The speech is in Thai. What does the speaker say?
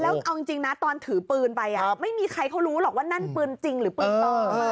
แล้วเอาจริงนะตอนถือปืนไปไม่มีใครเขารู้หรอกว่านั่นปืนจริงหรือปืนปลอม